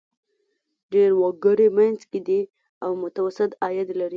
ډېری وګړي منځ کې دي او متوسط عاید لري.